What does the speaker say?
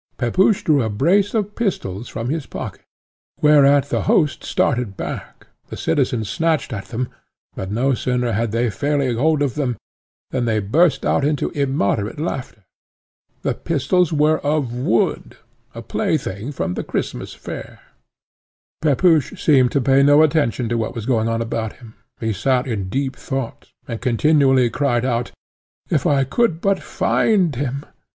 Pepusch drew a brace of pistols from his pocket, whereat the host started back; the citizens snatched at them, but, no sooner had they fairly hold of them, than they burst out into immoderate laughter. The pistols were of wood, a plaything from the Christmas fair. Pepusch seemed to pay no attention to what was going on about him; he sate in deep thought, and continually cried out, "If I could but find him! if I could but find him!"